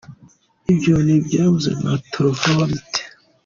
ibyo ni ibyavuzwe na Travolta.